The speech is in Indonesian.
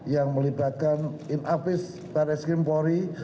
yang melibatkan in office para eskrim pori